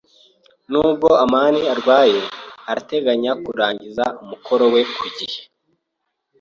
[T] Nubwo amani arwaye, arateganya kurangiza umukoro we ku gihe.